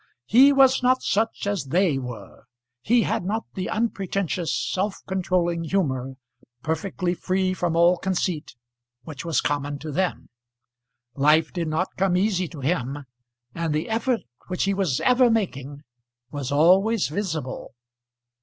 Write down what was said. He was not such as they were. He had not the unpretentious, self controlling humour, perfectly free from all conceit, which was common to them. Life did not come easy to him, and the effort which he was ever making was always visible.